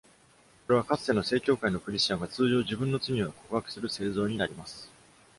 これは、かつての正教会のクリスチャンが通常自分の罪を告白する聖像になります。